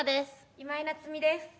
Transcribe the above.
今井菜津美です。